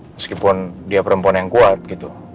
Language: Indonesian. meskipun dia perempuan yang kuat gitu